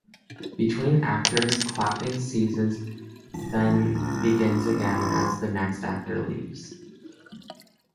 Between actors, clapping ceases, then begins again as the next actor leaves.